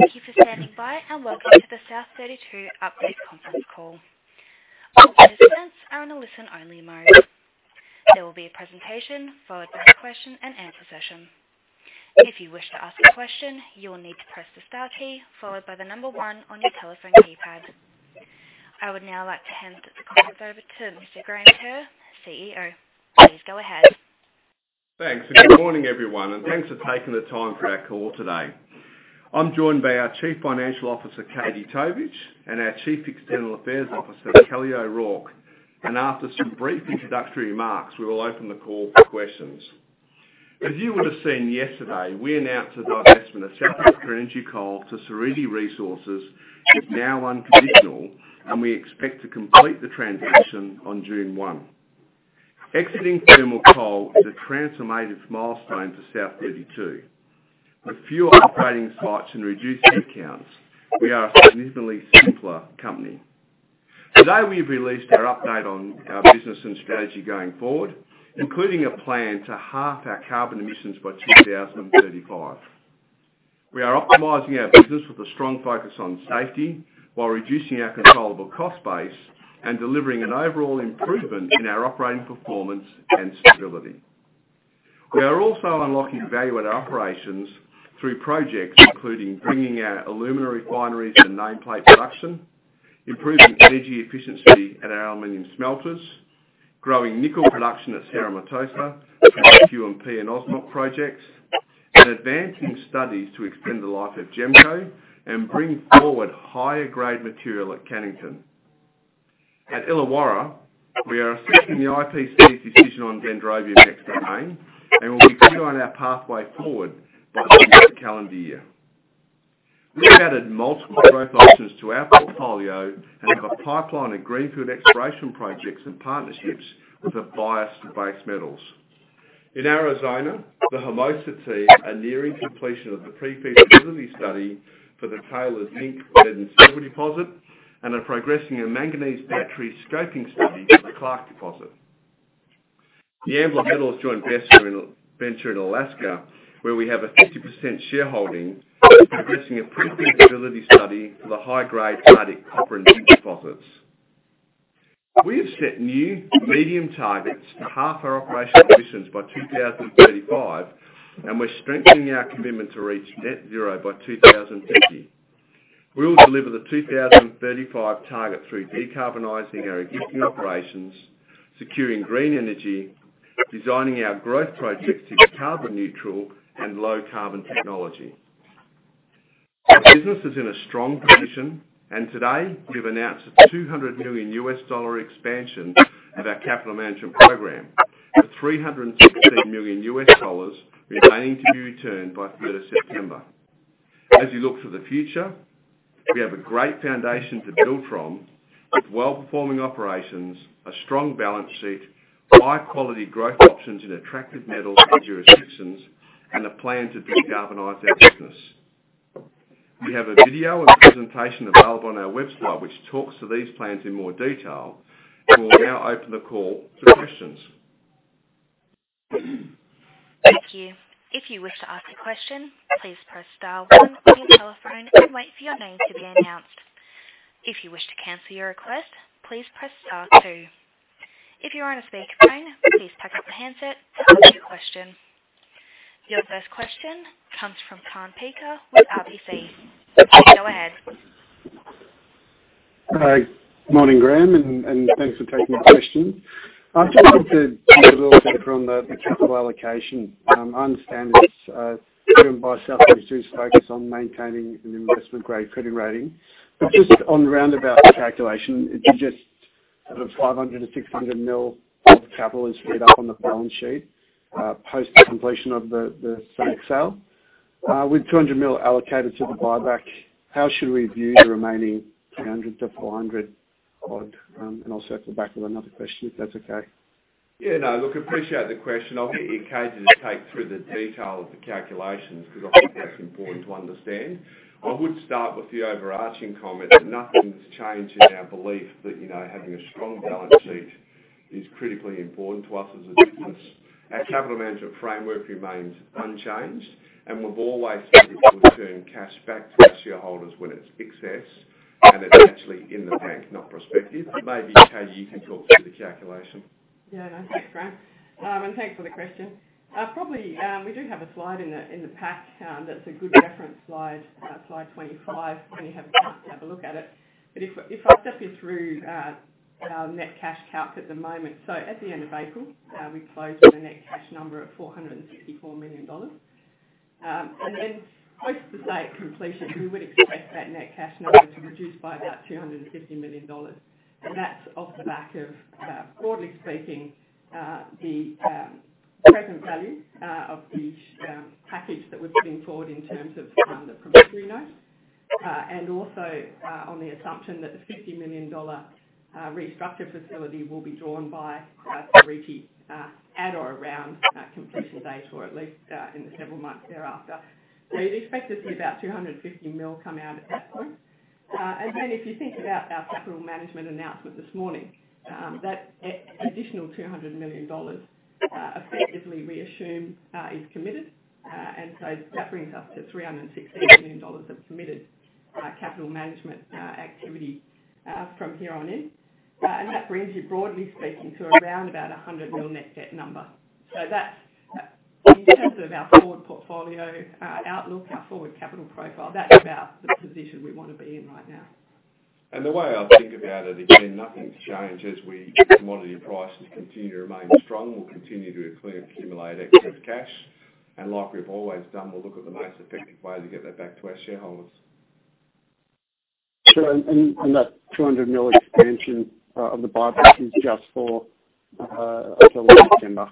Thank you for standing by and welcome to the South32 Outlook Conference Call. All participants are in a listen-only mode. There will be a presentation followed by a question-and-answer session. If you wish to ask a question, you will need to press the star key followed by the number one on your telephone keypad. I would now like to hand the conference over to Mr. Graham Kerr, CEO. Please go ahead. Thanks. Good morning, everyone, and thanks for taking the time for our call today. I'm joined by our Chief Financial Officer, Katie Tovich, and our Chief External Affairs Officer, Kelly O'Rourke. After some brief introductory remarks, we'll open the call for questions. You would've seen yesterday, we announced the divestment of South Africa Energy Coal to Seriti Resources is now unconditional. We expect to complete the transaction on June 1. Exiting thermal coal is a transformative milestone for South32. With fewer operating sites and reduced accounts, we are a significantly simpler company. Today, we've released our update on our business and strategy going forward, including a plan to halve our carbon emissions by 2035. We are optimizing our business with a strong focus on safety while reducing our controllable cost base and delivering an overall improvement in our operating performance and stability. We are also unlocking value at operations through projects, including bringing our alumina refineries to nameplate production, improving energy efficiency at our aluminum smelters, growing nickel production at Cerro Matoso through the Q&P and Osmot projects, and advancing studies to extend the life of GEMCO and bring forward higher-grade material at Cannington. At Illawarra, we are assessing the IPC's decision on Dendrobium Next Domain and will be defining our pathway forward by the end of the calendar year. We have added multiple growth options to our portfolio and have a pipeline of greenfield exploration projects and partnerships with a bias to base metals. In Arizona, the Hermosa team are nearing completion of the pre-feasibility study for the Taylor's zinc, lead, and silver deposit and are progressing a manganese battery scoping study for the Clark deposit. Ambler Metals' joint venture in Alaska, where we have a 50% shareholding, is progressing a pre-feasibility study for the high-grade Arctic, copper and gold deposits. We have set new medium targets to halve our operational emissions by 2035, and we're strengthening our commitment to reach net zero by 2050. We will deliver the 2035 target through decarbonizing our existing operations, securing green energy, designing our growth projects with carbon neutral and low carbon technology. Our business is in a strong position, and today we've announced a $200 million expansion of our capital management program, with $316 million remaining to be returned by 30 September. As we look to the future, we have a great foundation to build from with well-performing operations, a strong balance sheet, high-quality growth options in attractive metal jurisdictions, and a plan to decarbonize our business. We have a video and a presentation available on our website which talks to these plans in more detail. We will now open the call to questions. Thank you. If you wish to ask a question, press press star one of your telephone and might see your name into the accounts. If you cancel your request, please press star two. If you are in speak please toggle your handset to answer a question. Your first question comes from Kaan Peker with RBC. Go ahead. Morning, Graham, and thanks for taking the question. Just on the capital allocation. I understand that given South32's focus on maintaining an investment-grade credit rating, but just on the roundabout calculation, if you just have $500 million-$600 million of capital is freed up on the balance sheet post completion of the sale. With $200 million allocated to the buyback, how should we view the remaining $300 million-$400 million odd? I'll circle back with another question, if that's okay. Yeah, no, look, appreciate the question. I'll get Katie to take through the detail of the calculations because I think that's important to understand. I would start with the overarching comment that nothing's changed in our belief that having a strong balance sheet is critically important to us as a business. Our capital management framework remains unchanged, and we've always sought to return cash back to our shareholders when it's excess and it's actually in the bank, not prospective. Maybe, Katie, you can talk to the calculation. Yeah. Thanks, Graham, and thanks for the question. Probably, we do have a slide in the pack that's a good reference slide 25, when you have a chance to have a look at it. If I step you through our net cash count at the moment. At the end of April, we closed with a net cash number at AUD 464 million. Post the sale completion, we would expect that net cash number to reduce by about $250 million, and that's off the back of broadly pre-paying the present value of the package that we're putting forward in terms of funding for Seriti. Also on the assumption that the $50 million restructuring facility will be drawn by Seriti at or around completion date, or at least in the several months thereafter. You'd expect to see about $250 million come out at that point. If you think about our capital management announcement this morning, that additional $200 million effectively we assume is committed. That brings us to $360 million of committed capital management activity from here on in. That brings you, broadly speaking, to around about $100 million net debt number. In terms of our forward portfolio outlook, our forward capital profile, that's about the position we want to be in right now. The way I think about it, again, nothing's changed. As commodity prices continue to remain strong, we'll continue to accumulate excess cash. Like we've always done, we'll look at the most effective way to get that back to our shareholders. Sure. That $200 million expansion of the buyback is just until late December?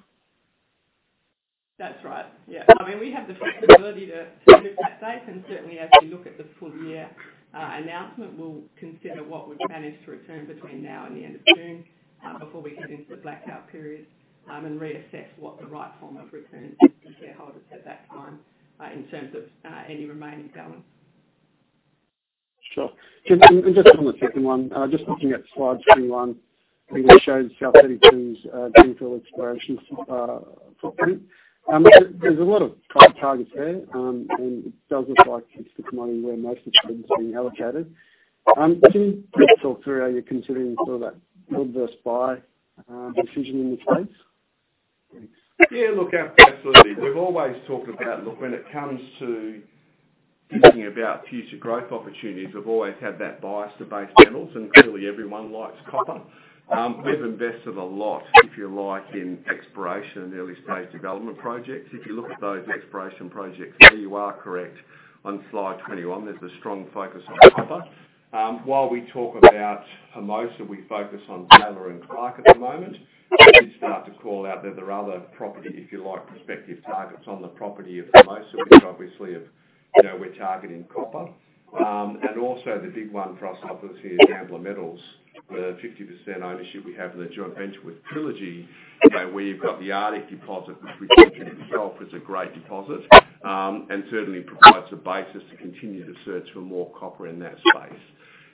That's right. Yeah. We have the flexibility to move that date, and certainly as we look at the full year announcement, we'll consider what we've managed to return between now and the end of June before we get into the blackout period and reassess what the right form of return is for shareholders at that time in terms of any remaining balance. Sure. Just on the second one, just looking at slide 21, it shows South32's greenfield exploration footprint. There's a lot of targets there. It does look like it's the commodity where most of the spend is being allocated. Can you just talk through, are you considering that build versus buy decision in this space? Thanks. Yeah, look, absolutely. We've always talked about when it comes to thinking about future growth opportunities, we've always had that bias to base metals, and clearly everyone likes copper. We've invested a lot, if you like, in exploration and early stage development projects. If you look at those exploration projects, you are correct, on slide 21, there's a strong focus on copper. While we talk about Hermosa, we focus on Taylor and Clark at the moment. If you start to call out, there are other property, if you like, prospective targets on the property of Hermosa, which obviously we're targeting copper. Also the big one for us obviously is Ambler Metals with a 50% ownership we have in the joint venture with Trilogy, where you've got the Arctic deposit, which we think in itself is a great deposit and certainly provides a basis to continue to search for more copper in that space.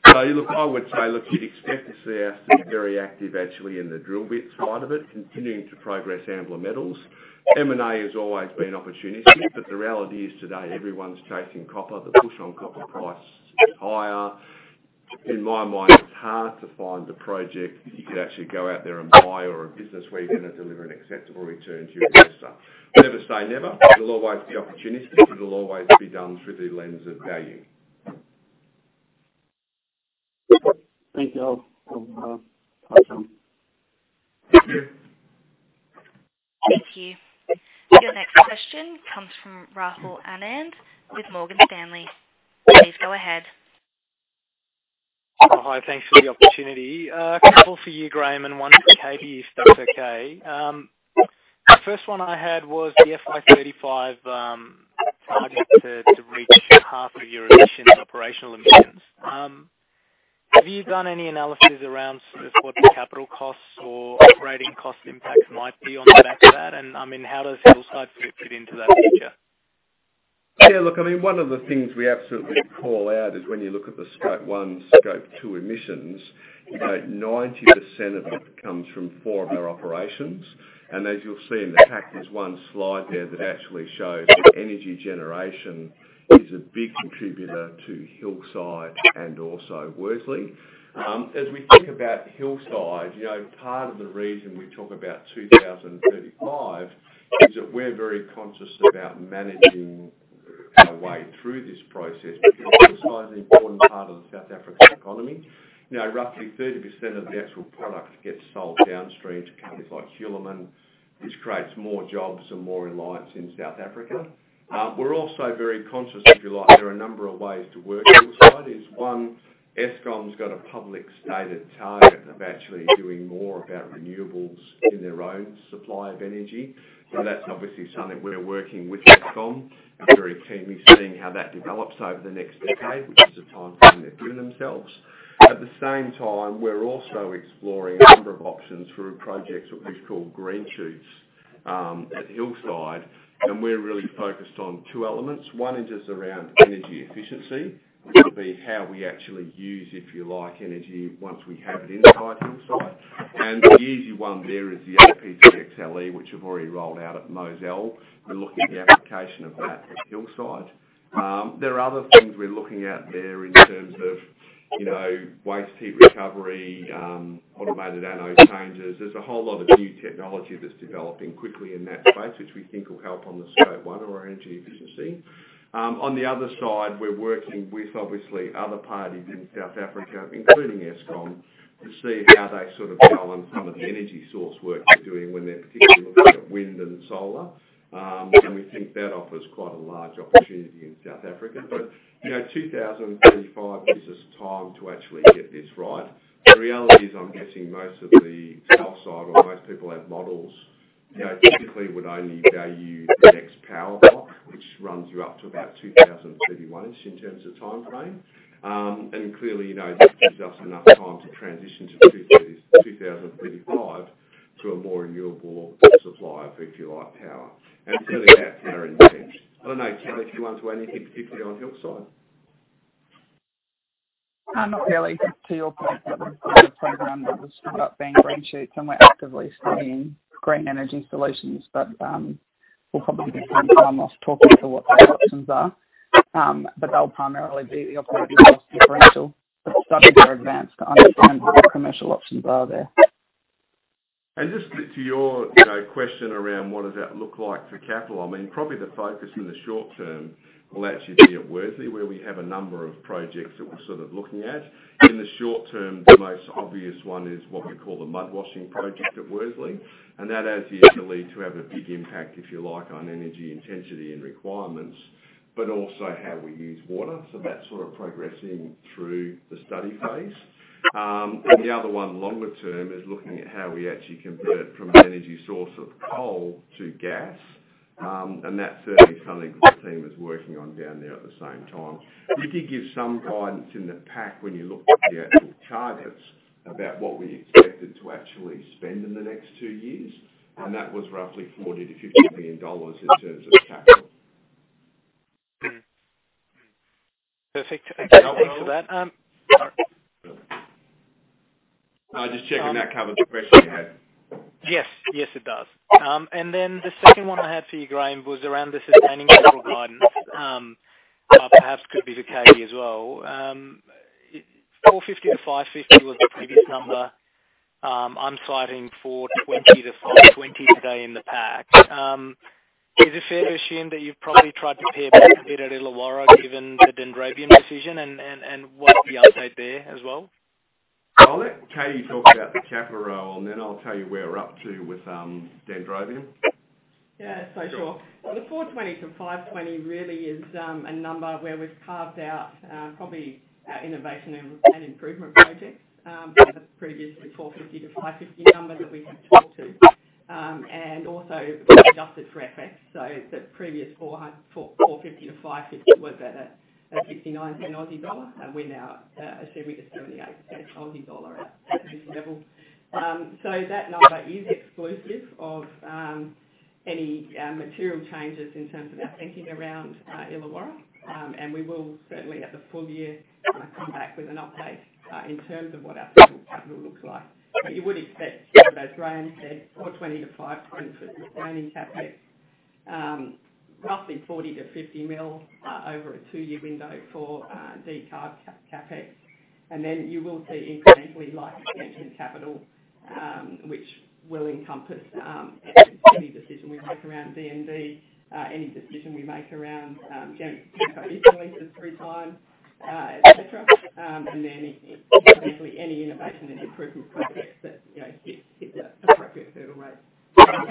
Look, I would say you'd expect to see us very active actually in the drill bit side of it, continuing to progress Ambler Metals. M&A has always been an opportunity, but the reality is today everyone's chasing copper. The push on copper price is higher. In my mind, it's hard to find a project that you could actually go out there and buy or a business where you're going to deliver an acceptable return to your investor. Never say never. There'll always be opportunities, but it'll always be done through the lens of value. Thank you. I'll pass on. Yeah. Thank you. Your next question comes from Rahul Anand with Morgan Stanley. Please go ahead. Hi. Thanks for the opportunity. A couple for you, Graham, and one for Katie, if that's okay. The first one I had was the FY 2035 target to reach half of your emissions, operational emissions. Have you done any analysis around sort of what the capital costs or operating cost impacts might be on the back of that? How does Hillside fit into that picture? Yeah, look, one of the things we absolutely call out is when you look at the scope one, scope two emissions, 90% of it comes from four of our operations. As you'll see in the pack, there's one slide there that actually shows energy generation is a big contributor to Hillside and also Worsley. As we think about Hillside, part of the reason we talk about 2035 is that we're very conscious about managing our way through this process because Hillside's an important part of the South African economy. Roughly 30% of the actual product gets sold downstream to companies like Hulamin, which creates more jobs and more alliance in South Africa. We're also very conscious, if you like, there are a number of ways to work Hillside, is one. Eskom's got a public stated target of actually doing more about renewables in their own supply of energy. That's obviously something we're working with Eskom, very keenly seeing how that develops over the next decade, which is the timeframe they've given themselves. At the same time, we're also exploring a number of options through a project we've called Green Shoots at Hillside, and we're really focused on two elements. One is just around energy efficiency, which would be how we actually use, if you like, energy once we have it inside Hillside. The easy one there is the AP3XLE, which we've already rolled out at Mozal. We're looking at the application of that at Hillside. There are other things we're looking at there in terms of waste heat recovery, automated anode changes. There's a whole lot of new technology that's developing quickly in that space, which we think will help on the scope one or energy efficiency. On the other side, we're working with obviously other parties in South Africa, including Eskom, to see how they go on some of the energy source work they're doing when they're particularly looking at wind and solar. We think that offers quite a large opportunity in South Africa. 2035 gives us time to actually get this right. The reality is, I'm guessing most of the South32 or most people that have models, typically would only value the next power block, which runs you up to about 2031-ish in terms of timeframe. Clearly, this gives us enough time to transition to 2035 to a more renewable supply of power. Certainly have Katie and Dan. I don't know, Katie, if you want to add anything particularly on your side? No, fairly just to your point, that was the first program that was about being Green Shoots and we're actively studying green energy solutions. We'll probably get Grant Amos talking to what the options are. They'll primarily be your classic industrial studies are advanced to understand what the commercial options are there. Just to your question around what does that look like for capital, probably the focus in the short term will actually be at Worsley, where we have a number of projects that we're looking at. In the short term, the most obvious one is what we call the mud washing project at Worsley, and that has the ability to have a big impact, if you like, on energy intensity and requirements, but also how we use water. That's progressing through the study phase. The other one longer term is looking at how we actually convert from an energy source of coal to gas. That's certainly something that the team is working on down there at the same time. We did give some guidance in the pack when you look at the actual charters about what we expected to actually spend in the next two years. That was roughly $40 billion-$50 billion in terms of capital. Perfect. Thanks for that. Just checking that covers the question you had. Yes, it does. The second one I had for you, Graham, was around the Dendrobium coal mine, perhaps could be to Katie as well. 450 million-550 million was the previous number. I'm citing 420 million-520 million today in the pack. Is it fair to assume that you've probably tried to pare back a bit at Illawarra given the Dendrobium decision and what's the update there as well? I'll let Katie talk about the capital, and then I'll tell you where we're up to with Dendrobium. Yeah, sure. The 420 million-520 million really is a number where we've carved out probably our innovation and improvement projects as opposed to the previous 420 million-520 million number that we've talked to. Also, we've adjusted for FX. The previous 420 million-520 million was at an AUD 0.59, and we're now assuming an AUD 0.78 at this level. That number is exclusive of any material changes in terms of our thinking around Illawarra, and we will certainly at the full year come back with an update in terms of what our full capital looks like. You would expect, as Graham said, 420 million-520 million for sustaining CapEx, roughly 40 million-50 million over a two-year window for decarb CapEx. You will see incremental investment in capital, which will encompass any decision we make around D&D, any decision we make around keeping Kincardine open through time, et cetera. Obviously any innovation and improvement projects that hit that appropriate hurdle rate. I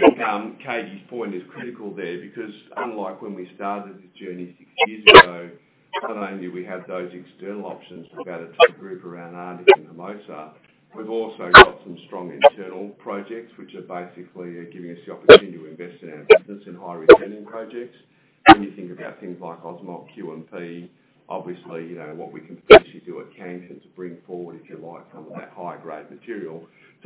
think Katie's point is critical there because unlike when we started this journey six years ago, not only do we have those external options to be able to group around Arctic and Hermosa, we've also got some strong internal projects which are basically giving us the opportunity to invest in our business in high-returning projects. When you think about things like Osmot, Q&P, obviously, what we can potentially do at Cannington to bring forward some of that high-grade material.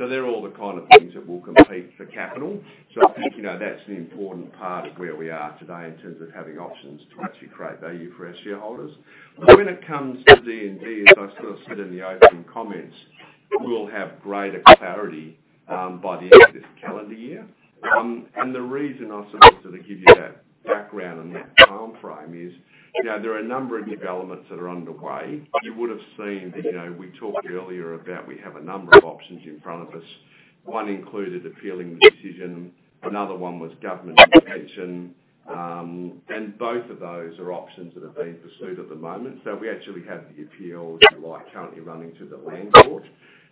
They're all the kind of things that will compete for capital. I think that's an important part of where we are today in terms of having options to actually create value for our shareholders. When it comes to D&D, as I said in the opening comments, we'll have greater clarity by the end of this calendar year. The reason I give you that background and that timeframe is, there are a number of developments that are underway. You would have seen, we talked earlier about we have a number of options in front of us. One included appealing the decision, another one was government intervention, and both of those are options that are being pursued at the moment. We actually have the appeal, if you like, currently running to the Land Court.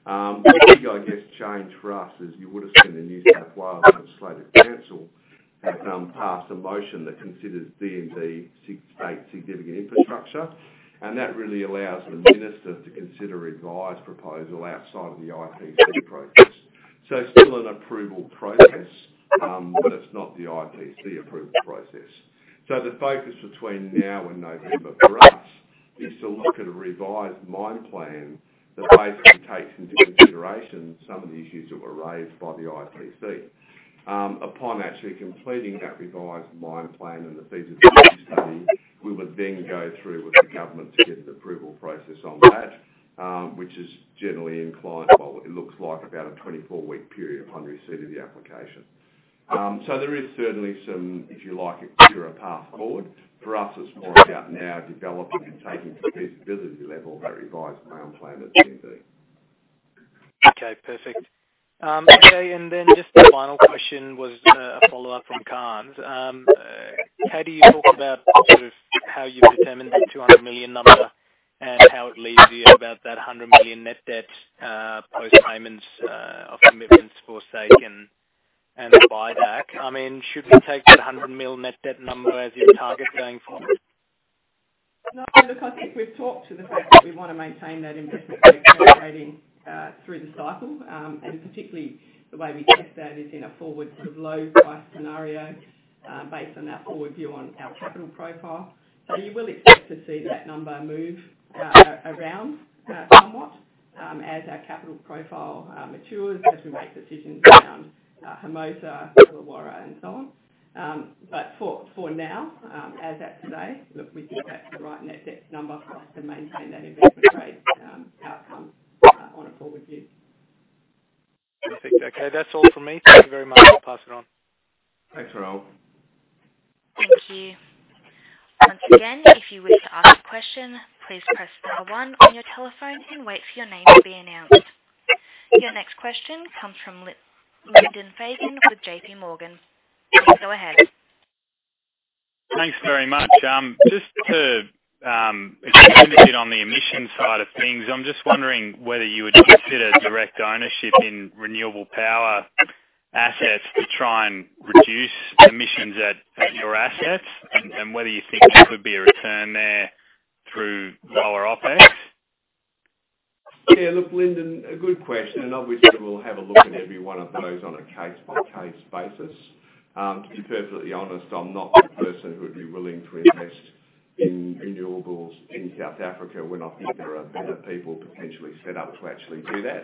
The only thing I guess changed for us is you would have seen the New South Wales legislative council have passed a motion that considers D&D strategic infrastructure, and that really allows the minister to consider a revised proposal outside of the IPC process. It's still an approval process, but it's not the IPC approval process. The focus between now and November for us is to look at a revised mine plan that basically takes into consideration some of the issues that were raised by the IPC. Upon actually completing that revised mine plan and the feasibility study, we would then go through with the government to get an approval process on that, which is generally implied by what it looks like about a 24-week period upon receipt of the application. There is certainly some, if you like, a clearer path forward. For us, it's more about now developing and taking to feasibility level that revised mine plan at D&D. Okay, perfect. Katie, just the final question was a follow-up from Kaan. Katie, you talked about how you determined the $200 million number and how it leads you to about that $100 million net debt, post-payments of commitments for stake and the buyback. Should we take that $100 million net debt number as your target going forward? Look, I think we've talked to the fact that we want to maintain that interest rate through the cycle, and particularly the way we test that is in a forward low price scenario based on that forward view on our capital profile. You will expect to see that number move around somewhat. As our capital profile matures, as we make decisions around Hermosa, Illawarra, and so on. For now, as at today, look, we think that's the right net debt number for us to maintain that investment grade outcome on a forward view. Perfect. Okay, that's all from me. Thank you very much. I'll pass it on. Thanks, Rahul. Thank you. Once again, if you wish to ask a question, please press star one on your telephone and wait for your name to be announced. Your next question comes from Lyndon Fagan with JPMorgan. Please go ahead. Thanks very much. Just to expand a bit on the emissions side of things. I'm just wondering whether you would consider direct ownership in renewable power assets to try and reduce emissions at your assets and, whether you think there could be a return there through lower OpEx. Yeah. Look, Lyndon, a good question. Obviously we'll have a look at every one of those on a case-by-case basis. To be perfectly honest, I'm not the person who would be willing to invest in renewables in South Africa when I think there are better people potentially set up to actually do that.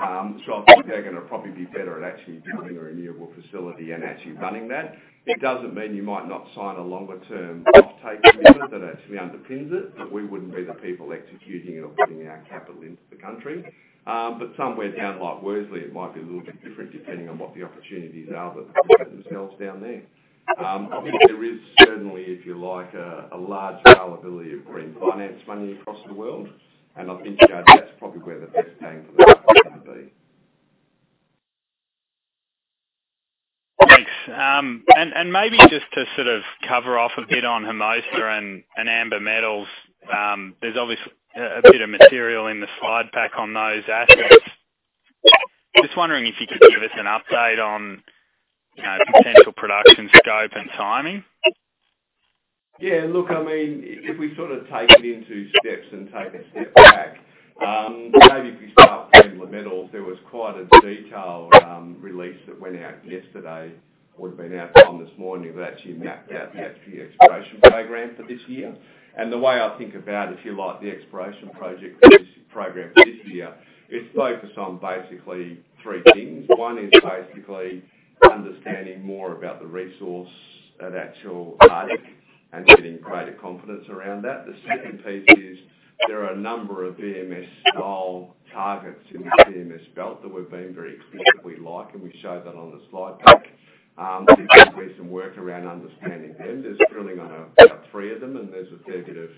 I think they're gonna probably be better at actually building a renewable facility and actually running that. It doesn't mean you might not sign a longer-term offtake agreement that actually underpins it. We wouldn't be the people executing it or putting our capital into the country. Somewhere down like Worsley, it might be a little bit different depending on what the opportunities are that present themselves down there. Obviously, there is certainly, if you like, a large availability of green finance money across the world, and I think that's probably where the best bang for the buck is going to be. Thanks. Maybe just to sort of cover off a bit on Hermosa and Ambler Metals. There's obviously a bit of material in the slide pack on those assets. Just wondering if you could give us an update on potential production scope and timing. Yeah, look, if we take it into steps and take a step back. Maybe if we start with Ambler Metals, there was quite a detailed release that went out yesterday, would've been our time this morning, that actually mapped out the exploration program for this year. The way I think about, if you like, the exploration project for this program for this year, it's focused on basically three things. One is basically understanding more about the resource at actual Arctic and getting greater confidence around that. The second piece is there are a number of VMS-style targets in the VMS belt that we've been very explicit we like, and we show that on the slide pack. There's going to be some work around understanding them. There's drilling on about three of them, and there's a fair bit of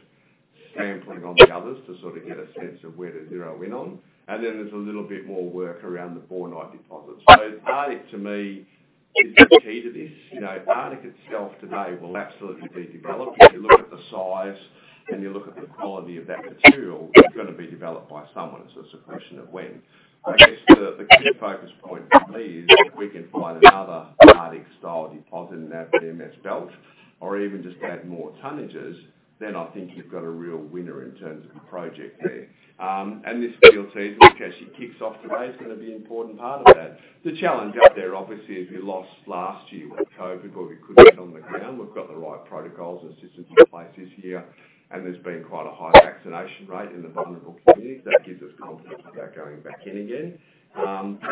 sampling on the others to sort of get a sense of where to zero in on. There's a little bit more work around the Bornite deposits. Arctic to me is the key to this. Arctic itself today will absolutely be developed. If you look at the size and you look at the quality of that material, it's gonna be developed by someone. It's a question of when. I guess the key focus point for me is if we can find another Arctic style deposit in that VMS belt or even just add more tonnages, then I think you've got a real winner in terms of a project there. This drill season, which actually kicks off today, is gonna be an important part of that. The challenge up there, obviously, is we lost last year with COVID where we couldn't get on the ground. We've got the right protocols and systems in place this year, and there's been quite a high vaccination rate in the vulnerable communities. That gives us confidence about going back in again.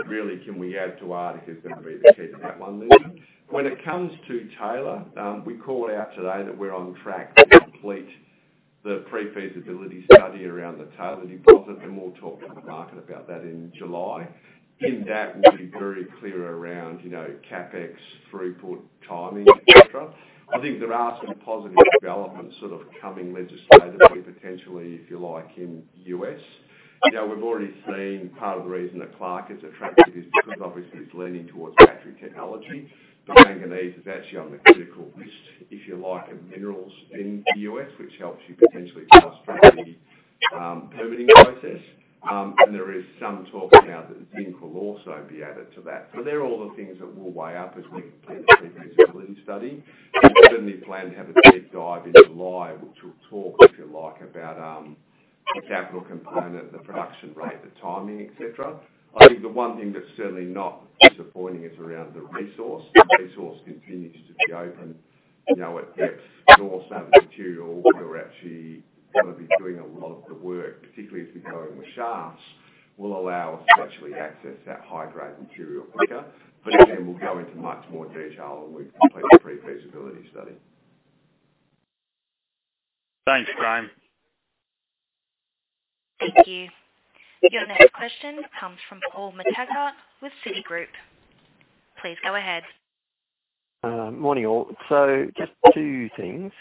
Really can we add to Arctic is gonna be the key for that one, Lyndon. When it comes to Taylor, we called out today that we're on track to complete the pre-feasibility study around the Taylor deposit, and we'll talk to the market about that in July. In that, we'll be very clear around CapEx, throughput, timing, et cetera. I think there are some positive developments sort of coming legislatively, potentially, if you like, in U.S. We've already seen part of the reason that Clark is attractive is because obviously it's leaning towards battery technology. The manganese is actually on the critical list, if you like, of minerals in the U.S., which helps you potentially fast-track the permitting process. There is some talk now that zinc will also be added to that. They're all the things that we'll weigh up as we complete the pre-feasibility study. We certainly plan to have a deep dive in July, which we'll talk, if you like, about the capital component, the production rate, the timing, et cetera. I think the one thing that's certainly not disappointing is around the resource. The resource continues to be open. At depth, the ore sort of material, we're actually going to be doing a lot of the work, particularly as we go in with shafts, will allow us to actually access that high-grade material quicker. Again, we'll go into much more detail when we complete the pre-feasibility study. Thanks, Graham. Thank you. Your next question comes from Paul McTaggart with Citigroup. Please go ahead. Morning, all. Just two things.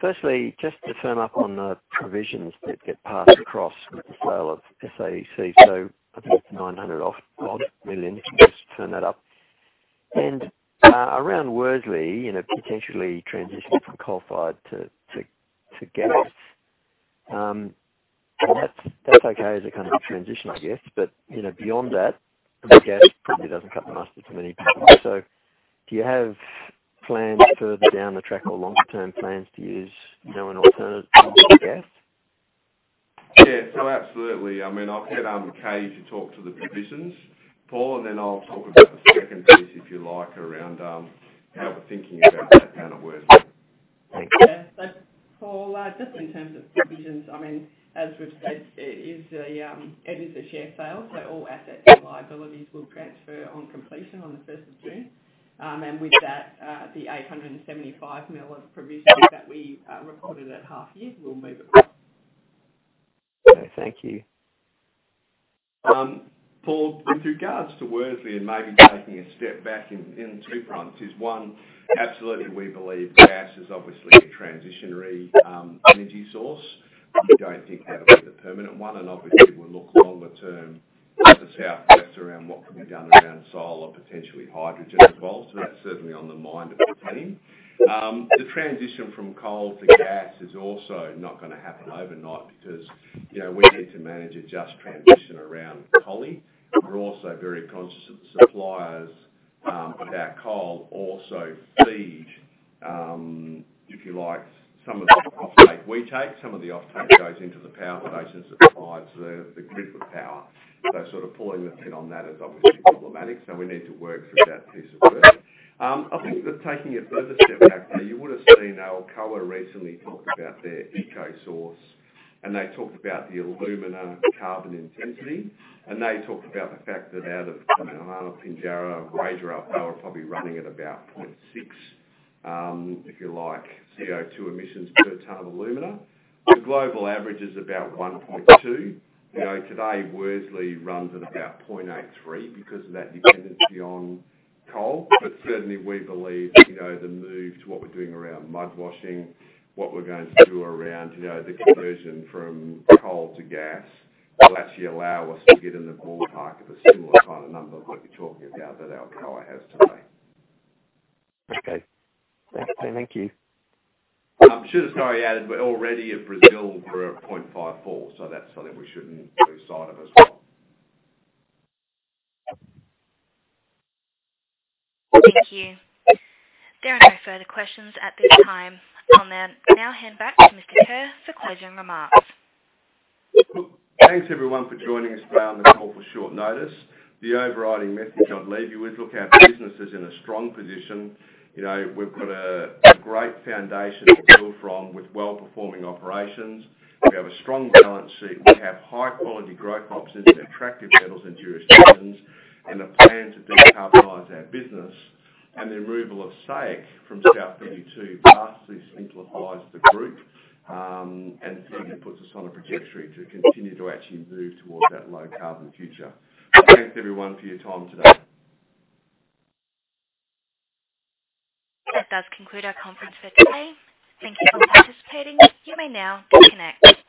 Firstly, just to firm up on the provisions that get passed across with the sale of SAEC. I think it's $900 odd million. Can you just firm that up? Around Worsley, potentially transitioning from sulfide to gas. That's okay as a kind of transition, I guess. Beyond that, gas probably doesn't cut the mustard for many people. Do you have plans further down the track or long-term plans to use an alternative to gas? Absolutely. I'll get Katie to talk to the provisions, Paul, and then I'll talk about the second piece, if you like, around our thinking about that down at Worsley. Thank you. Paul, just in terms of provisions, as we've said, it is a share sale, so all assets and liabilities will transfer on completion on the 1st of June. With that, the $875 million of provisions that we recorded that half year will move across. Okay, thank you. Paul, with regards to Worsley and maybe taking a step back in two fronts, is one, absolutely, we believe gas is obviously a transitionary energy source. We don't think that will be the permanent one, and obviously we'll look longer term at South32 around what can be done around solar, potentially hydrogen involved. That's certainly on the mind at the team. The transition from coal to gas is also not going to happen overnight because we need to manage a just transition around Collie. We're also very conscious that the suppliers of our coal also feed, if you like, some of the offtake we take, some of the offtake goes into the power station that supplies the grid with power. Pulling the pin on that is obviously problematic. We need to work through that piece of work. I think that taking a further step back, though, you would've seen Alcoa recently talked about their EcoSource, and they talked about the alumina carbon intensity, and they talked about the fact that out of Pinjarra, Wagerup, they were probably running at about 0.6%, if you like, CO2 emissions per ton of alumina. The global average is about 1.2%. Today, Worsley runs at about 0.83% because of that dependency on coal. Certainly we believe, the move to what we're doing around mud washing, what we're going to do around the conversion from coal to gas, will actually allow us to get in the ballpark of a similar kind of number we're talking about that Alcoa has today. Okay. Thank you. I should also add, already at Brazil, we're at 0.54%, so that's something we shouldn't lose sight of as well. Thank you. There are no further questions at this time. I'll now hand back to Mr. Kerr for closing remarks. Thanks everyone for joining us for on awful short notice. The overriding message I'd leave you with, look, our business is in a strong position. We've got a great foundation to build from with well-performing operations. We have a strong balance sheet. We have high-quality growth options, attractive metals and dividend streams, and a plan to decarbonize our business. The removal of SAEC from South32 vastly simplifies the group, and certainly puts us on a trajectory to continue to actually move towards that low-carbon future. Thanks everyone for your time today. That does conclude our conference for today. Thank you for participating. You may now disconnect.